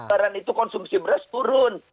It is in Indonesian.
sekarang itu konsumsi beras turun